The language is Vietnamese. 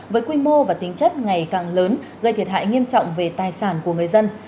với quy mô và tính chất ngày càng lớn gây thiệt hại nghiêm trọng về tài sản của người dân